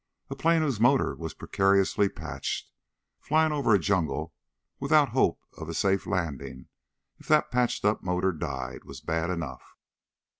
A plane whose motor was precariously patched, flying over a jungle without hope of a safe landing if that patched up motor died, was bad enough.